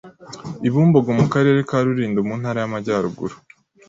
i Bumbogo mu Karere ka Rulindo mu Ntara y’Amajyaruguru.